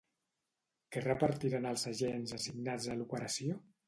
Què repartiran els agents assignats a l'operació?